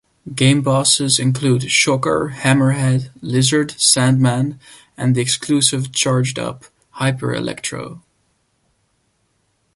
Game bosses include Shocker, Hammerhead, Lizard, Sandman and the exclusive charged-up Hyper-Electro.